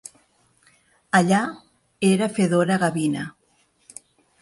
Allà, era Fedora Gavina.